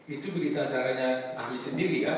itu berita acaranya ahli sendiri ya